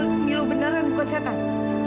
ini milo beneran bukan setan